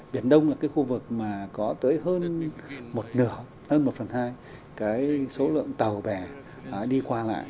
biển đông là cái khu vực mà có tới hơn một nửa hơn một phần hai cái số lượng tàu bè đi qua lại